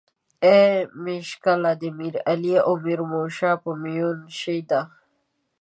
ای ميژ کله دې ميرعلي او میرومشا په میون شې ده